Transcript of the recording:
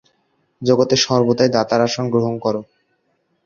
জগতে সর্বদাই দাতার আসন গ্রহণ কর।